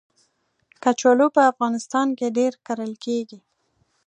کچالو په افغانستان کې ډېر کرل کېږي